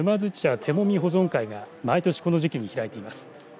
手揉保存会が毎年、この時期に開いています。